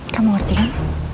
kamu ngerti kan